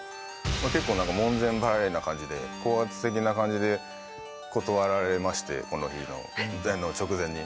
結構なんか門前払いな感じで高圧的な感じで断られましてこの日の直前に。